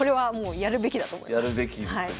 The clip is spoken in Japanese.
やるべきですよね。